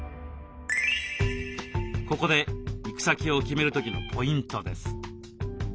ここで行き先を決める時のポイントです。